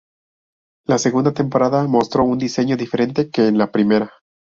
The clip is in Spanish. La segunda temporada mostró un diseño diferente que en la primera.